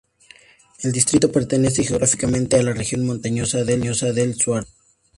El distrito pertenece geográficamente a la región montañosa del Sauerland.